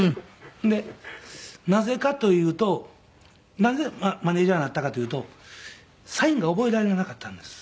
でなぜかというとなぜマネジャーになったかというとサインが覚えられなかったんです。